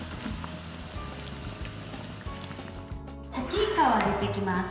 さきいかを揚げていきます。